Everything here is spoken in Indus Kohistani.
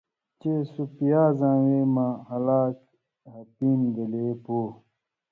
چے سو پیازاں وے مہ ہِلاک ہپیم گلے پو۔